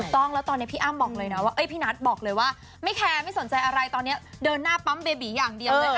ต้องแล้วตอนนี้พี่นัทบอกเลยว่าไม่แคร์ไม่สนใจอะไรตอนนี้เดินหน้าปั๊มเบบีอย่างเดียวเลย